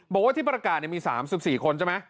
บอกว่าที่ประกาศมี๓๔คนใช่ไหม